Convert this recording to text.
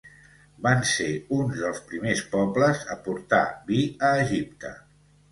Van ser un dels primers pobles a portar vi a Egipte.